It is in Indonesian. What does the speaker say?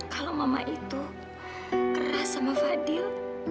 kalau mama itu keras sama fadil